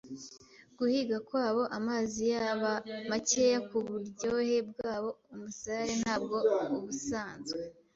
guhiga kwabo. Amazi yaba makeya kuburyohe bwabo; umusare ntabwo ubusanzwe